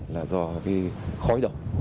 là do khói độc